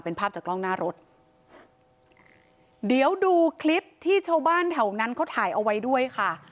เป็นภาพจากกล้องหน้ารถเดี๋ยวดูคลิปที่ชาวบ้านแถวนั้นเขาถ่ายเอาไว้ด้วยค่ะ